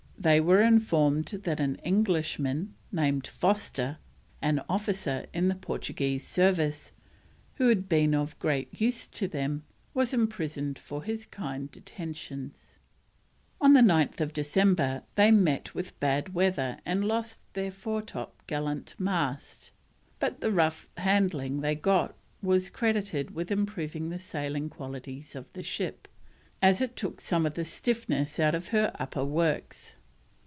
They were informed that an Englishman, named Foster, an officer in the Portuguese service, who had been of great use to them, was imprisoned for his kind attentions. On 9th December they met with bad weather and lost their foretop gallant mast, but the rough handling they got was credited with improving the sailing qualities of the ship, as it took some of the stiffness out of her upperworks.